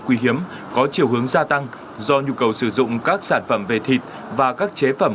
quý hiếm có chiều hướng gia tăng do nhu cầu sử dụng các sản phẩm về thịt và các chế phẩm